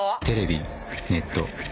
テレビネット